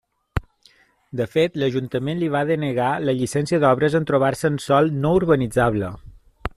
De fet, l'Ajuntament li va denegar la llicència d'obres en trobar-se en sòl no urbanitzable.